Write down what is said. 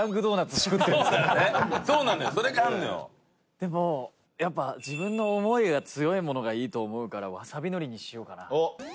でも、やっぱ自分の思いが強いものがいいと思うからわさびのりにしようかな。